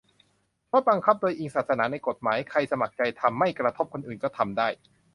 - งดบังคับโดยอิงศาสนาในกฎหมาย ใครสมัครใจทำ-ไม่กระทบคนอื่น ก็ทำได้